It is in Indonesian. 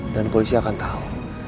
dan polisi akan tahu